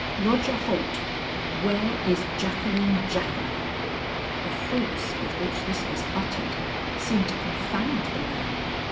Roger Holt, where is Jacqueline Japha?" The force with which this was uttered, seemed to confound the man.